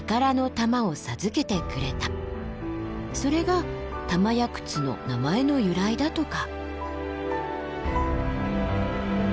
それが「玉屋窟」の名前の由来だとか。